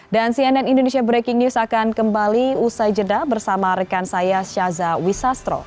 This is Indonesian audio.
dan cnn indonesia breaking news akan kembali usai jeda bersama rekan saya syaza wisastro